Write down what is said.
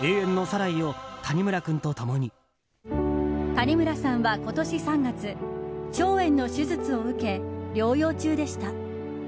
谷村さんは今年３月腸炎の手術を受け、療養中でした。